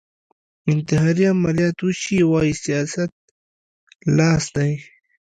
انتحاري عملیات وشي وايي سیاست لاس دی